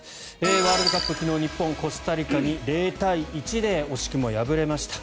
ワールドカップ昨日、日本はコスタリカに０対１で惜しくも敗れました。